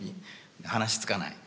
話つかない。